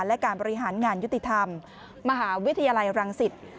และการบริหารงานยุติธรรมมหาวิทยาลัยรังสิต